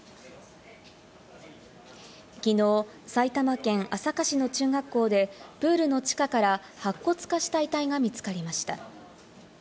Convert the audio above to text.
きのう、埼玉県朝霞市の中学校で、プールの地下から白骨化した遺体が見つかりました。